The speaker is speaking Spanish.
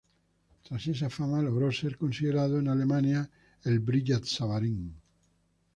Tras esta fama logró ser considerado en Alemania el Brillat-Savarin.